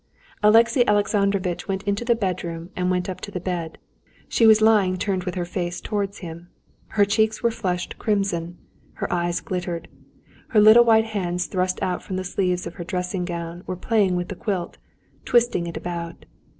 Alexey Alexandrovitch went into the bedroom, and went up to the bed. She was lying turned with her face towards him. Her cheeks were flushed crimson, her eyes glittered, her little white hands thrust out from the sleeves of her dressing gown were playing with the quilt, twisting it about.